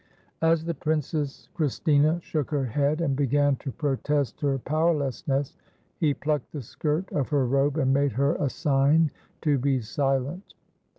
As the Princess Christina shook her head, and began to protest her powerlessness, he plucked the skirt of her robe and made her a sign to be silent.